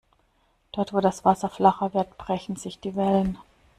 Dort, wo das Wasser flacher wird, brechen sich die Wellen.